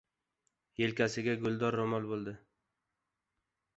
Yelkasida guldor ro‘mol bo‘ldi.